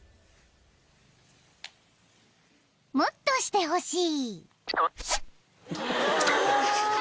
［もっとしてほしい］